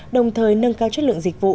đồng thời nâng cao chất lượng dịch vụ